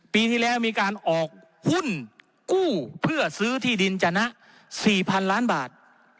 ปีที่แล้วมีการออกหุ้นกู้เพื่อซื้อที่ดินจนะ๔๐๐๐ล้านบาท